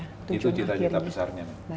itu cita cita besarnya